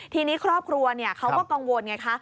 ทีนี้ครอบครัวเขาก็กังวลไงคะ